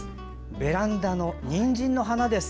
ベランダのにんじんの花です。